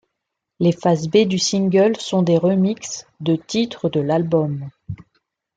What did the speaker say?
Les face B du single sont des remixes de titres de l'album.